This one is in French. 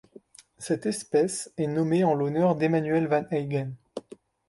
Cette espèce est nommée en l'honneur d'Emmanuel van Heygen.